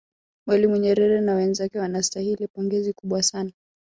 mwalimu nyerere na wenzake wanastahili pongezi kubwa sana